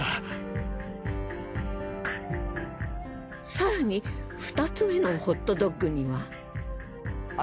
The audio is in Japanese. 更に２つ目のホットドッグには。